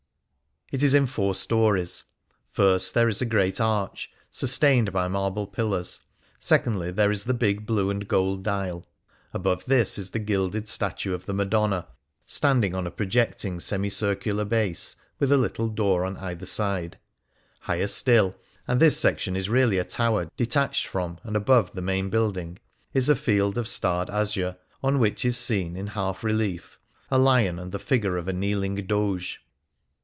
It is in four stories : first there is a great arch, sustained by marble pillars ; secondly there is the big blue and gold dial ; above this is the gilded statue 56 The Heart of Venice of the Madonna, standing on a projecting semi circular base, with a little door on either side. Higher still — ^and this section is really a tower, detached from, and above, the main building — is a field of starred azure on which is seen, in half relief, a lion and the figure of a kneeling Doge.